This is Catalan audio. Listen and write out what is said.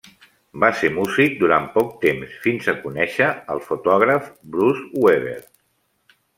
Va ser músic durant poc temps, fins a conèixer el fotògraf Bruce Weber.